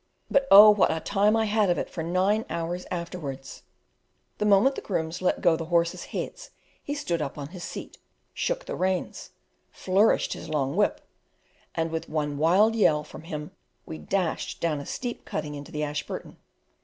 But, oh, what a time I had of it for nine hours afterwards! The moment the grooms let go the horses' heads he stood up on his seat, shook the reins, flourished his long whip, and with one wild yell from him we dashed down a steep cutting into the Ashburton.